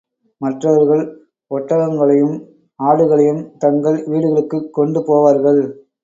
மற்றவர்கள் ஒட்டகங்களையும், ஆடுகளையும் தங்கள் வீடுகளுக்குக் கொண்டு போவார்கள்.